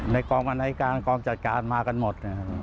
ในกองบันไดการณ์กองจัดการมากันหมด